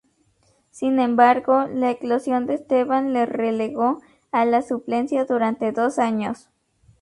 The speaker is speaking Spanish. Sin embargo, la eclosión de Esteban le relegó a la suplencia durante dos años.